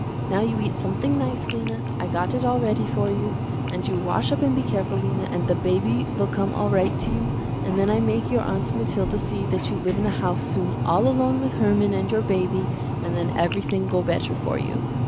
Now you eat something nice Lena, I got it all ready for you, and you wash up and be careful Lena and the baby will come all right to you, and then I make your Aunt Mathilda see that you live in a house soon all alone with Herman and your baby, and then everything go better for you.